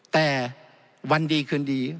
แต่วันดีคืนดี